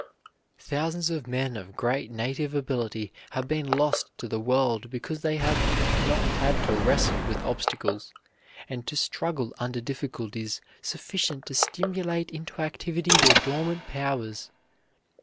Thousands of men of great native ability have been lost to the world because they have not had to wrestle with obstacles, and to struggle under difficulties sufficient to stimulate into activity their dormant powers.